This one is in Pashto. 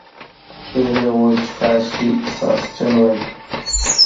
هغې وویل چې کاشکې ساسچن وای.